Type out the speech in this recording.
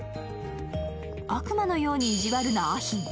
悪魔のように意地悪なアヒン。